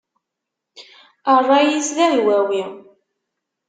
Ṛṛay-is d ahwawi.